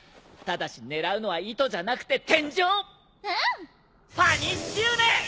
ただし狙うのは糸じゃなくて天井！